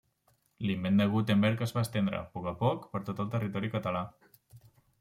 L'invent de Gutenberg es va estendre, a poc a poc, per tot el territori català.